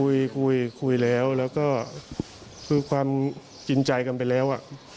คุยคุยแล้วแล้วก็คือความจริงใจกันไปแล้วอ่ะ